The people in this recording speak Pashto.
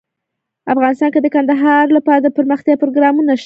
افغانستان کې د کندهار لپاره دپرمختیا پروګرامونه شته.